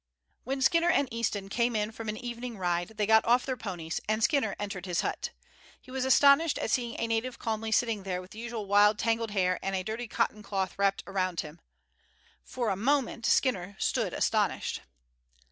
When Skinner and Easton came in from an evening ride they got off their ponies, and Skinner entered his hut. He was astonished at seeing a native calmly sitting there with the usual wild tangled hair and a dirty cotton cloth wrapped round him. For a moment Skinner stood astonished.